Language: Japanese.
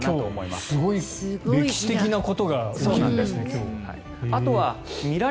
今日、すごい歴史的なことが起きるんですね。